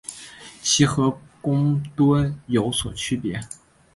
其和公吨有所区别。